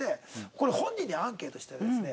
これ本人にアンケートしてですね